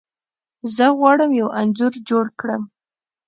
زه غواړم یو انځور جوړ کړم.